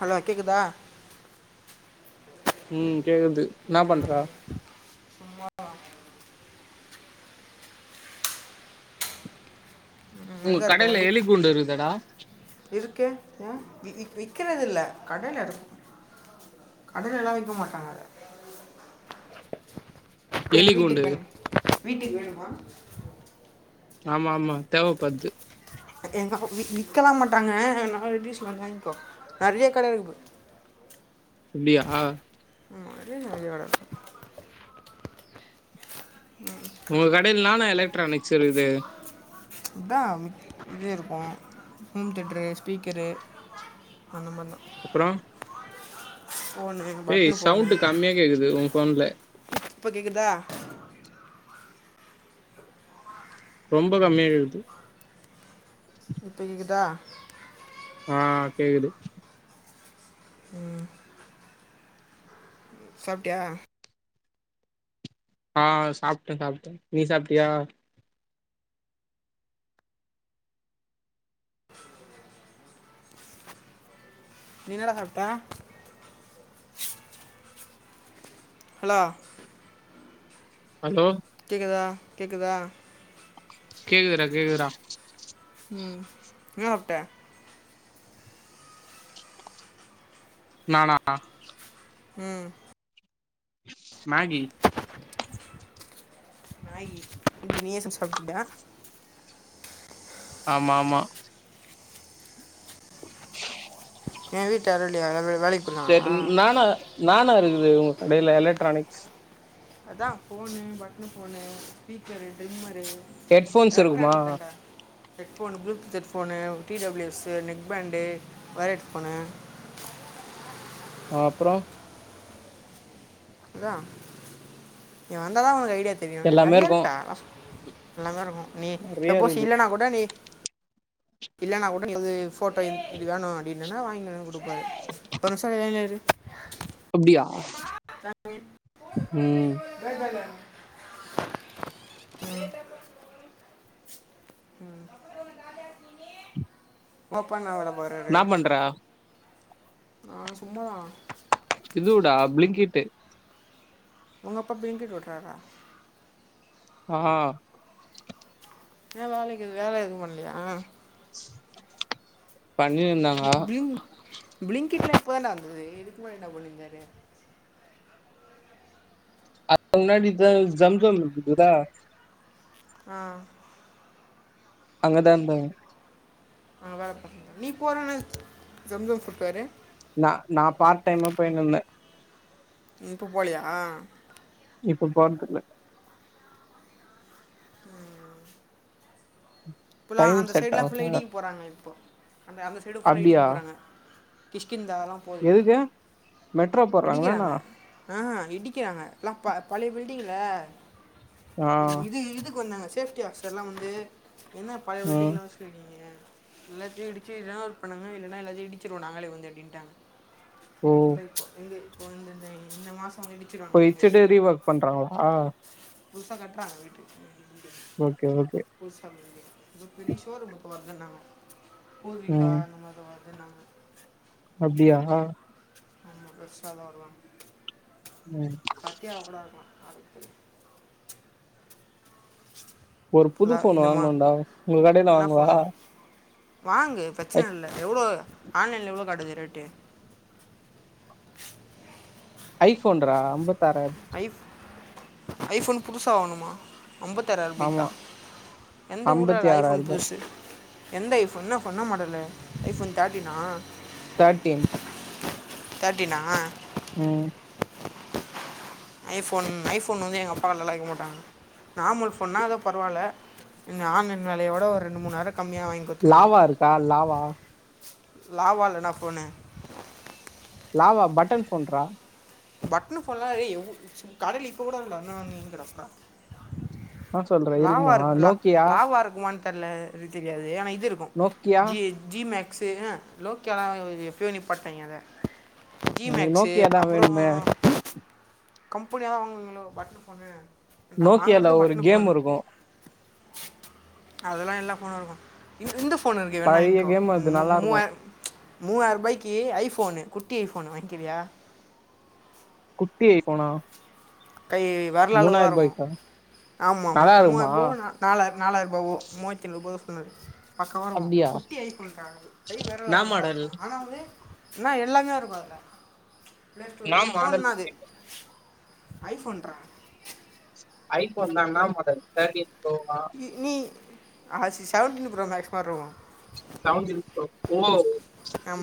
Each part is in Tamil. ஹலோ கேக்குதா ம் கேக்குது இன்னா பண்ற சும்மாதா [unintelligible] உங்க கடையில எலிகூண்டு இருக்குதுடா இருக்கே ஏ வி வி விக்கறதில்ல கடையில இருக் கடலெல்லா விக்க மாட்டாங்கத எ எலி வீட்டுக் கூண்டு வேணு வீட்டுக் வேணுமா ஆமா ஆமா தேவப்பட்து எ எங்க ஒ வி விக்கலாம் மாட்டாங்க நாலு டீஸ்ல வாய்கோ நறைய கடை இருக்கு பார் அப்டியா அது இன்னா அப்டியாடா ம் உங்க கடையில் இன்னானா எலக்ட்ரானிக்ஸ் இருக்குது இதா இது இருக்கு ஹோம் தேட்டரு ஸ்பீக்கரு அந்த மார்தா அப்பறோ ஃபோனு ஏய் பட்டன் ஃபோனு சவுண்ட்டு கம்மியா கேக்குது உ ஃபோன்ல இப்ப கேக்குதா ரொம்ப கம்மியா கேக்குது இப்ப கேக்குதா ஆ கேக்குது சாப்ட்டியா ஆ சாப்ட்ட சாப்ட்ட நீ சாப்ட்டியா நீ இன்னடா சாப்ட்ட ஹலோ அலோ கேக்குதா கேக்குதா கேக்குதுடா கேக்குத்றா ம் இன்னா சாப்ட்ட நானா ம் மேகி மேகி நீயே செஞ் சாப்ட்டுக்கின்யா ஆமா ஆமா எ வீட்ல யாரு இ ல்லியா வ வ வேலைக் செரி இ நானா நானா இருக்குது உங் கடையில எலக்ட்ரானிக்ஸ் அதா ஃபோனு பட்னு ஃபோனு ஸ்பீக்கரு ட்ரிம்மரு ஹெட்ஃபோன்ஸ் இருக்குமா எலக்ட்ரானிக் தான்டா headphone bluetooth headphone T WS neck band wire headphone ஆ அப்றோ அதா இங்க வந்தாதா ஒரு ஐடியா செரி எல்லாமே நிறையா இருக்கு இருக்கா ஆ நல்லாருக்கு நீ நெறைய சப்போஸ் இருக்குது இல்லனா கூட நீ இல்லனா கூட நீ வந்து போட்டோ இது வேணு அப்டின்னன்னா வாங்கிட்டு வந்து கொடுப்பாரு ஒரு சார்னரு [inaudible] அப்டியா ம் [inaudible] [unintelligible] ஓப்பன் ஆவல பாரு அது என்னா பண்ற ஆ சும்மாதா இதுவுடா பிளிங்கிட்டு உங்க அப்பா பிளிங்கிட்டு ஓட்றாரா ஆ ஏ வேலைக்கிது வேல எதுவு பண்லயா [inaudible] பண்ணிருந்த ப் ப்ளிங் ப்ளிங்கிட்லா இப்பதா டா வந்துது இதுக்கு முன்னாடி என்ன பண்ணிருந்தாரு அப்போ முன்னாடி ஜம் ஜம்ஜம் இருந்துதுல ஆ அங்கதா இருந்தோ ஆ [unintelligible] நீ போன வுன ஜம் ஜம் ஃபுட் தானே நா நா பார்ட் டைமா போயினுந்தே நீ இப்போ போலயா இப்ப போறதில்ல இப்பல்லா டைம் அந்த செட் சைடு லா ஃபுலா ஆகல இடிக்க போறாங்க இப்போ அங்க அந்த சைடு ஃபுலா இடிக்க அப்டியா போறாங்க கிஷ்கின்ந்தாலா எதுங்க மெட்ரோ போட்றாங்களா இடிக்கிறாங்க என்ன ஆ இடிக்கிறாங்க எல்லா ப பழைய பில்டிங்ல ஆ இது இதுக்கு வந்தாங்க சேஃப்டி ஆஃபிஸர் எல்லா வந்து என்ன பழைய பில்டிங் ம் எல்லா வச்சிட்டு இருக்கீங்க எல்லாத்தையு இடிச்சு ரீ ஒர்க் பண்ணுங்க இல்லைா எல்லாத்தையு இடிச்சடுவோ நாங்களே வந்து அப்டின்ட்டாங்க ஓ இருப்போ எங்க இப்போ வந்தந்த இந்த மாசம் எடி இப்போ இடிச்சிட்டு ரீ ஒர்க் பண்றாங்களா புதுசா கட்டுறாங்க வீட்டு ஓகே ஓகே புதுசா பெரிய ஷோரூமுக்கு வருதுன்னாங்க பூர்விகா ம் அந்தமாரி வருதுன்னாங்க அப்டியா பெருசா தா வருவா ம் கே அவனா இருக்கு [inaudible] ஒரு புது இல்லை ஃபோன் இன்னுமா வாங்கணுண்டா உங்க கடையில என்ன வாங்குவா ஃபோனு வாங்கு ஐ பிரச்சன இல்ல எவ்ளோ ஆன்லைல் எவ்ளோ காட்டுது ரேட்டு ஐஃபோன்ரா அம்பத்தாராயி ஐ ஐஃபோன் புதுசா வாங்ணுமா அம்பத்தாராயருபைய்கா ஆமா எந்த ஊர்ல ஐம்பத்தி டா ஐஃபோன் ஆறாயிரம் ரூபாய் புதுசு எந்த ஐஃபோன் இன்னா என்னா மாடலு ஐஃபோன் தேட்டினா தாட்டீன் தாட்டீனா ம் ஐஃபோன் ஐஃபோன் வந்து எங்க அப்பா வாய்ங்க மாட்டாங் நார்மல் ஃபோன்னா எதோ பர்வால்ல இந்த ஆன்லைன் வேலையோட ஒரு ரெண்டு மூணாயிரோ கம்மியா வாங்க் லாவா இருக்கா லாவா லாவால என்னா ஃபோன் லாவா பட்டன் ஃபோன்ராா பட்டனு ஃபோன்லாம் லே கடல இப்ப கூடன வந்து வாங்கிடா என்ன சொல்ற லாவா இருக்குமா இருக்கு நோக்கியா லாவா இருக்குமா தெரியாது ஆனா இங்க இருக்கு நோக்கியா ஜி ஜி மக்ஸ் நோக்கியான எப்பையோ நிப்பாட்டிட்டாங்க அத எனக்கு நோக்கியாதா வேணுமே கம்பெனியாக தா வாங்கங்களுக்கு பட்டன் ஃபோனு நோக்கியால்ல ஒரு கேம் இருக்கு அதெல்லா எல்லா ஃபோண்ணு இருக்கு இந்த ஃபோன் இருக்கு வேணா பழைய வாய்ங்க்கோ கேம் அது நல்லா இருக்கு மூவாயிரபாய்க்கு ஐஃபோன் குட்டி ஐஃபோன் வாங்கிக்கிறியா குட்டி இஃபோனா மூணாயிர ரூபாய்க்கா ஆமா நல்லா மூவ இருக்குமா போ நாலாயிர நாலாயிரபாவோ மூவாயிர்த்தி எணூறுவா சொன்னாரு பக்காவா இருக்கு அப்டியா குட்டி ஐ ஃபோண்றா கை வேற என்னா தான் மாடல் இருக்கு ஆனா வந்து என்ன எல்லாமே இருக்கு பிளேஸ்டோ என்னா மாடல் ஃபோன் அது ஐஃபோன்ரா ஐஃபோன் தா இண்ணா மாடல் அந்த தட்டின் ப்ரோ வ ஆ சி செவன்டீன் ப்ரோ மேக்ஸ் மாரி இருக்கு செண்டின் ஓ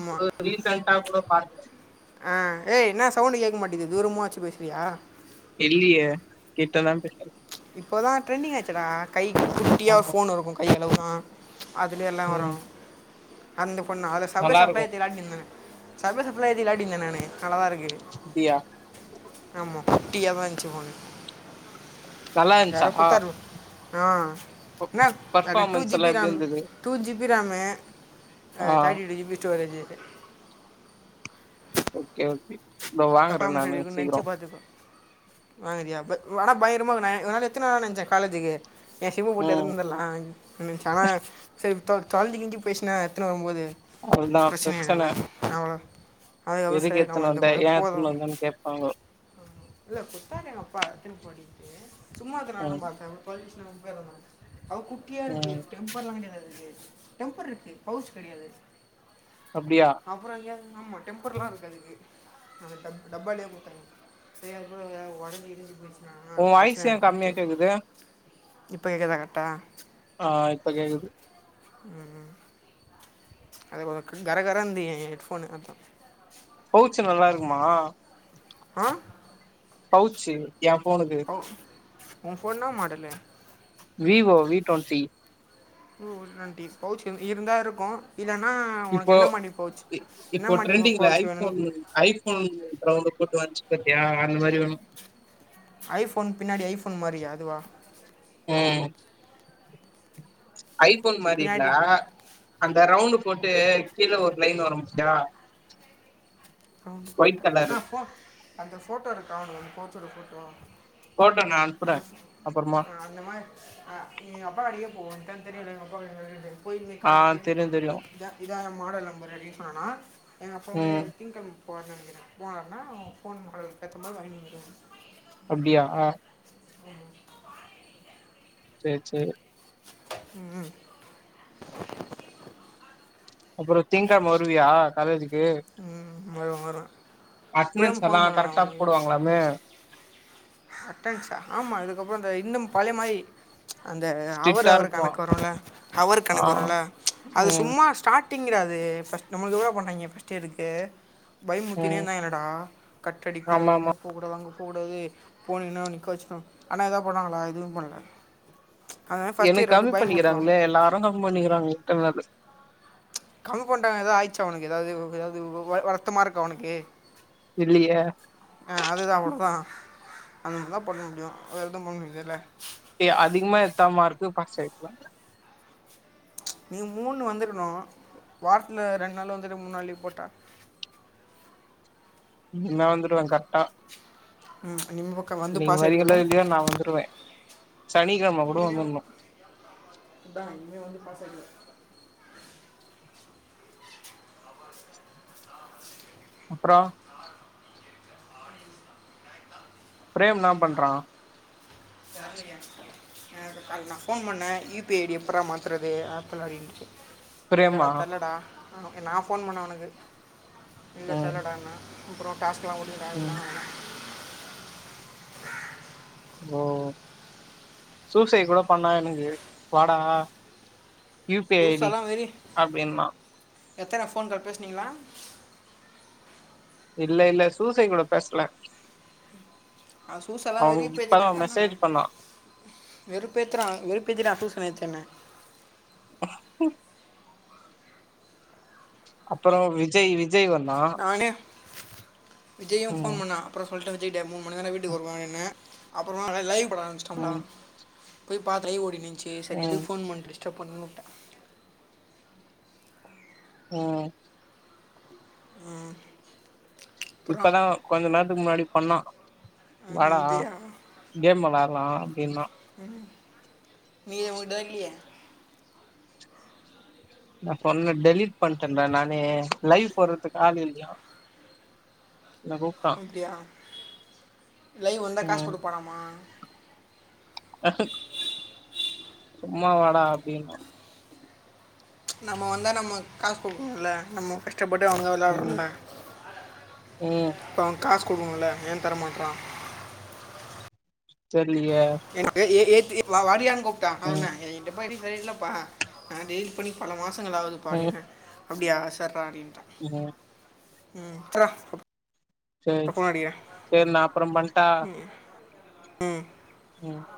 இப்ப ரீசன்ட்டா கூட பாக்குறெ ஆ ஏய் என்ன சவுண்ட் கேட்க மாட்டேது தூரமா வச்சு பேசுறியா இல்லயே கிட்டதா இப்போதா ட்ரெண்டிங் ஆச்சுடா கைக்கு குட்டியா ஒரு ஆமா ஃபோன் இருக்கு கை அளவு தா அதுலய எல்லா ம் வரும் அந்த ஃபோன் தா அதுல சவ்வே நல்லா இருக்கு சப்ளேத்தை விளாடினுந்தே சர்வ சப்ள விளையாடிந்தே நானு நல்லாதா இருக்கு அப்டியா ஆமா குட்டியாதா இன்ச்சு ஃபோனு நல்லா இருந்துச்சா யாரோ கொடுத்தாங்கோ ஆ அண்ணா அ டூ பர்ஃபார்மன்ஸ் ஜி எல்லா பி எப்டி ராம் இருந்தது டூ ஜி பி ராம்மு ஆ thirty two G B storage okay okay இப்ப வாங்குறே நானு சீக்கிரோ அதப வாங்கிருயா அப்ப ஆனா பயரமா இருக்கு நா ஒரு நாள் எடுத்து வரலா நெனைச்ச காலேஜுக்கு என் சிம்ம போட்டு ம் எடுத்துனு வந்துரலா ஆனா சரி தொலைஞ்சு கிளஞ்சி போயிடுச்சுன்னா எடுத்துனு வரும்போது அப்ரோ அதுதா பிரச்சனை பிரச்சன ஆயிரும்ல அவ்ளோ அதுக்கப்புறோ சரி நம்ம வந்து போனே தெரியுமா போதும் என்னன்னு கேட்பாங்க இல்லை குடுத்தாரு எங்க அப்பா எடுத்துட்டு போடின்ட்டு சும்மா இருக்க ம் நேரம்லா பார்த்தே [inaudible] அவ குட்டியா இருக்கு ம் டெம்பர் எல்லாம் கிடையாது டெம்பர் இருக்கு பவுச் கிடையாது அப்டியா அப்பறம் ஏ ஆமா டெம்பர்லாம் இருக்காது நாங்க டப் டப்பாலே குடுக்குற சரிய கூட ஒடன்சு இடிஞ்சு போச்சு உன் வாய்சு ஏன் கம்மியா கேக்குது இப்ப கேட்குதா கரெக்ட்டா ஆ இப்ப கேக்குது ம் ம் அது கரகரந்து ஏன் ஹெட்ஃபோனு அதான் பவுச் நல்லா இருக்குமா ஆ பவுச்சு ஏன் ஃபோனுக்கு ஒ ஓன் ஃபோன் என்னா model Vivo V twenty Vivo V twenty pouch இருந்தா இருக்கும் இல்லன்னா உனக்கு இப்போ என்ன மாரி பவுச் இ- என்ன இப்போ மாரி ட்ரெண்டிங்ல பவுச்சு ஐஃபோன் வேணும்னு ஐஃபோன் ரவுண்டு போட்டு வந்துச்சு பாத்தியா அந்த மாரி வேணும் ஐஃபோன் பின்னாடி ஐஃபோன் மாரியா அதுவா ம் ஐஃபோன் மாரி இல்ல பின்னாடி அந்த ரவுண்டு் போட்டு கீழே ஒரு லைன் வர பாத்தியா ம் ஒயிட் அண்ணா கலரு போ அந்த ஃபோட்டோ இருக்கானு போச்சோட ஃபோட்டோ ஃபோட்டோ நா அஹ அனுப்புறே அப்பறமா ஆ அந்த மாரி எங்க அப்பா கடைக்கே போ உனக்கு தான் தெரியும்ல எங்க அப்பா கடை எங்கிருக்குனு போயிட்டு ஆ காட்டிட்டு தெரியு தெரியு இதா இதான் என் மாடல் நம்பர் அப்டின்னு சொன்னனா எங்க அப்பா வந்து ம் திங்கழம போவாருன்னு நெனைகிறேன் போனாருன்னா உன் ஃபோன் மாடல் ஏத்த மாரி வாங்கிட் அப்படியா உம் செரி செரி ம் அப்றோ திங்கேழம வருவியா காலேஜிக்கு ம் வருவே வருவே பெர்ம் அட்டனன்ஸ் எல்லா ஃபோன் பண்ணானா கரெக்டா உனக்கு போடுவாங்களாமே அட்டான்ச்சா ஆமா அதுக்கப்பறோ இந்த இன்ன பழைய மாரி அந்த அவர் ஸ்ட்ரிக்டா அவர் இருக்குமா கணக்கு வரும்லே ஹவர் ஆ கணக்கு வரும்லே அது ம் சும்மா ஸ்டார்ட் டிங்குடா அது ஃபஸ்ட் நம்ளுக்கு எவ்ளோ பண்ணய்ங்க ஃபஸ்ட் இயருக்கு பயமுத்தினே ம் இருத்தாய்ங்களடா கட் அடிக்க ஆமா கூடாது ஆமா இங்கே போக்கூடாது அங்கே போக்கூடாது போனிங்கானா நிக்க வெச்சு ஆனா எதா பண்ணாங்களா எதுவும் பண்ணல அதனால ஃபஸ்ட் எனக்கு இயர் கம்மி வந்து பயமுறுத்துவான் பண்ணிக்கிறாங்களே எல்லாரும் கம்மி பண்ணிக்கிறாங்க எல்லா எடதுலையும் கம்மி பண்ணிடங்க ஏதாவ ஆயிச்சா உனக்கு ஏதாவது ஏதாவது வருத்தமா இருக்கா உனக்கு இல்லியே ஆ அதுதான் அவ்ளோ தான் அந்த மாரி தான் பண்ண முடியும் வேறு எதுவும் பண்ண முடியது இல்லே அதிகமா எடுத்த மார்க் பாஸ் ஆயிடலா நீங்க மூணு வந்துருக்கணு வாரத்தில ரெண்டு நாள் வந்துட்டு மூணு நாள் லீவு போட்ட நான் வந்துடுவேன் கரெட்டா ம் [unintelligible] நீங்க ஆகிடுவில்ல வரிங்கலோ இல்லயோ நா வந்துடுவே சனிக்கெழம கூட வந்துட்ணு அந்த நீயே வந்து பாசாயிடுவ அப்றோ பிரேம் என்ன பண்றா காலைல நா ஃபோன் பண்ணே யு பி ஐ டி எப்பரா மாத்துறது ஆப்பிள அப்டினுட்டு இல்லடா பிரேமா தெர்லடா நா ஃபோன் பண்ணே அவனுக்கு இல்லடா ம் தெர்லடா என் அப்றோ டாஸ்கெல்லா முடிஞ்சா ம் ஓ சூசைடு கூட பண்ணா எனக்கு வாடா U P I I D புதுசல்லா வெரி அப்டின்னா எத்தன ஃபோன் கால் பேசுனீங்களா இல்ல இல்ல சூசை கூட பேசல அவன் சூஸெல்லாம் அவ வெறி இப்பதா மெசேஜ் பண்ணா வெறுப்பேத்திர வெறுப்பேத்திட்டா சூசை நேத்து என்ன உஹ அப்புறோ விஜய் விஜய் வந்தா நானு விஜயு ம் ஃபோன் பண்ணா அப்றோ சொல்லிட்டே விஜய்ட்ட மூணு மணிக்கு தா வீட்டுக்கு வருவான்னு அப்புறம்மா லைவ் போட ஆரம்பிச்சட்டோங்களா ம் போய் பாத்து லைவ் ஓடின்னிருந்துச்சு செரி ம் எதுக்கு ஃபோன் பண்ணடுச்சு டிஸ்டப் பண்ணனுனு வுட்டே ம் ம் இப்பதா கொஞ்ச நேரத்துக்கு முன்னாடி பண்ணா ஹம், வாடா இதயா கேம் வெளாட்லா அப்டின்னா [unintelligible] நா சொன்ன டெலிட் பண்ணிட்டேன்டா நானு லைவ் போர்றதுக்கு ஆளு இல்லயா என்ன ப்ரோ அப்பிடியா லைவ் வந்தா காசு ம் குடுப்பானாமா சும்மா வாடா அப்பிடின்னா நம்ம வந்தா நம்ம காசு குடுக்கணுல்ல நம்ம கஷ் கஷ்டப்பட்டு அவனுக்கு ம் வெளாட்றோல ம் அப்ப அவ காசு குடுக்கணுல்ல ஏ தர மாட்றா தெர்லியே எனக்கு [unintelligible] கூப்பிட்டா ம் அவன [unintelligible] நா டெலிட் பண்ணி பல மாசங்கள் ஆவுதுபா ம் அப்டின்ன அப்டியா செர்றா அப்டின்ட்டா ம் ம் செர்றா சேர் சேர் நா அப்றோ பண்ட்டா ம் ம்